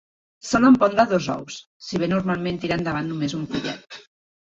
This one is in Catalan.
Solen pondre dos ous, si bé normalment tira endavant només un pollet.